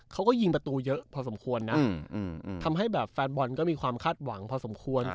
เขาก็ยิงประตูเยอะพอสมควรนะทำให้แบบแฟนบอลก็มีความคาดหวังพอสมควร